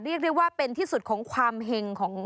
เรียกได้ว่าเป็นที่สุดของความเห็งของ